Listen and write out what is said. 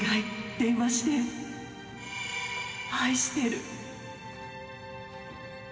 電話して」「愛してる」